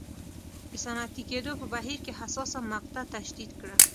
د صنعتي کېدو په بهیر کې حساسه مقطعه تشدید کړه.